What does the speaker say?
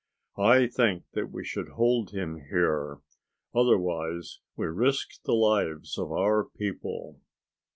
I think that we should hold him here. Otherwise we risk the lives of our people."